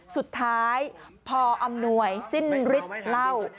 สุดท้ายพออำนวยสิ้นฤทธิ์เหล้า